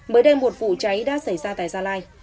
mới đây một vụ cháy đã xảy ra tại gia lai